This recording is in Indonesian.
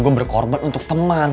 gue berkorban untuk temen